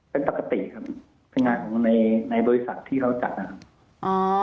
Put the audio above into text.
เป็นปกติครับเป็นงานของในในบริษัทที่เขาจัดนะครับ